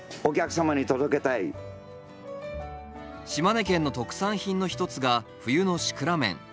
島根県の特産品の一つが冬のシクラメン。